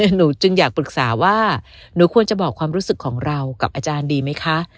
หนูจึงอยากปรึกษาว่าหนูควรจะบอกความรู้สึกของเรากับอาจารย์ดีไหมคะ